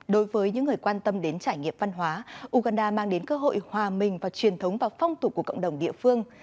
đối với những người quan tâm đến trải nghiệm văn hóa uganda mang đến cơ hội hòa mình vào truyền thống và phong tục của cộng đồng địa phương